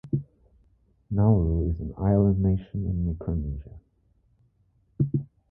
Nauru is an island nation in Micronesia.